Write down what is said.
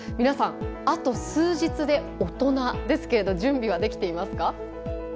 皆さんあと数日で大人ですけれど準備はできていますか？